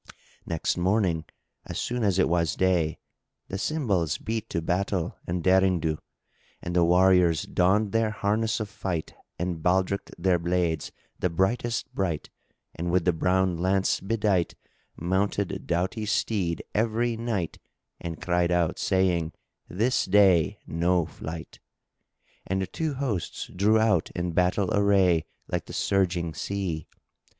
Next morning, as soon as it was day, the cymbals beat to battle and derring do, and the warriors donned their harness of fight and baldrick'd[FN#5] their blades the brightest bright and with the brown lance bedight mounted doughty steed every knight and cried out, saying, "This day no flight!" And the two hosts drew out in battle array, like the surging sea.